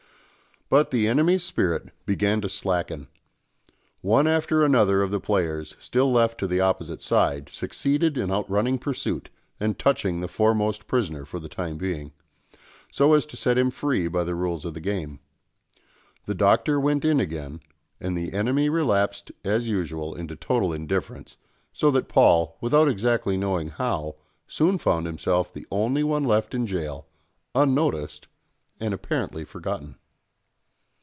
But the enemy's spirit began to slacken; one after another of the players still left to the opposite side succeeded in outrunning pursuit and touching the foremost prisoner for the time being, so as to set him free by the rules of the game. The Doctor went in again, and the enemy relapsed as usual into total indifference, so that Paul, without exactly knowing how, soon found himself the only one left in gaol, unnoticed and apparently forgotten.